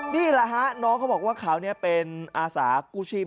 นี่แหละฮะน้องเขาบอกว่าเขาเป็นอาสากู้ชีพ